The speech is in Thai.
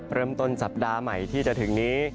เริ่มต้นสัปดาห์ใหม่ที่จะถึงนี้